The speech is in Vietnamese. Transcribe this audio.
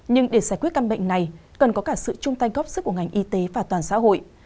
nhưng để giải quyết căn bệnh này cần có cả sự chung tay góp sức của ngành y tế và toàn xã hội